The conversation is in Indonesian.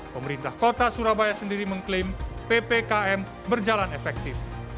pemerintah kota surabaya sendiri mengklaim ppkm berjalan efektif